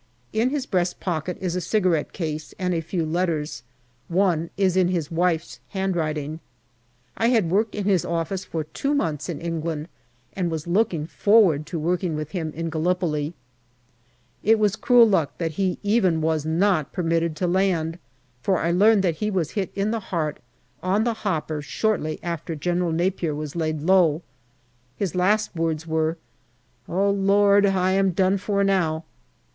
In his breast pocket is a cigarette case and a few letters ; one is in his wife's handwriting. I had worked in his office for two months in England, and was looking forward to working with him in Gallipoli. It was cruel luck that he even was not permitted to land, for I learn that he was hit in the heart on the hopper shortly after General Napier was laid low. His last words were, "Oh, Lord! I am done for now."